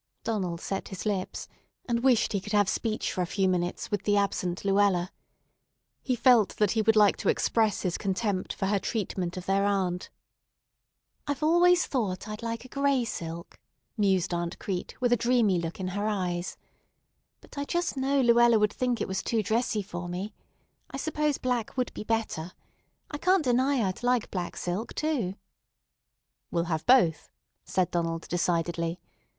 Donald set his lips, and wished he could have speech for a few minutes with the absent Luella. He felt that he would like to express his contempt for her treatment of their aunt. "I've always thought I'd like a gray silk," mused Aunt Crete with a dreamy look in her eyes, "but I just know Luella would think it was too dressy for me. I suppose black would be better. I can't deny I'd like black silk, too." "We'll have both," said Donald decidedly.